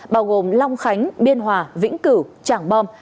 bao gồm long khánh biên hòa vĩnh cửu tràng bom